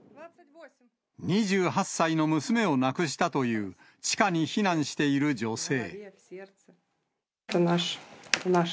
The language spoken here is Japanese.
２８歳の娘を亡くしたという、地下に避難している女性。